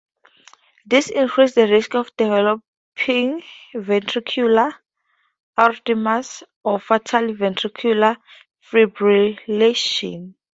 This increases the risk of developing ventricular arrhythmias or fatal ventricular fibrillations.